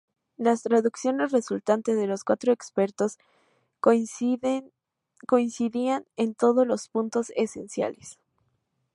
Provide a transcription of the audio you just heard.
Las traducciones resultantes de los cuatro expertos coincidían en todos los puntos esenciales.